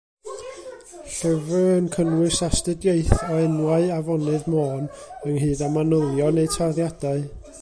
Llyfr yn cynnwys astudiaeth o enwau afonydd Môn ynghyd â manylion eu tarddiadau.